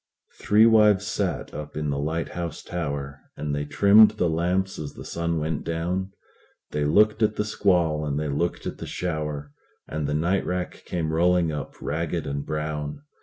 Three wives sat up in the lighthouse tower, And they trimmed the lamps as the sun went down; They looked at the squall, and they looked at the shower, And the night rack came rolling up ragged and brown.